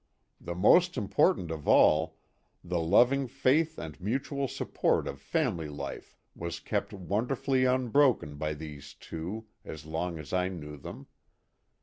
The most important of all, the loving faith and mutual support of family life was kept wonderfully unbroken by these two as long as I knew them.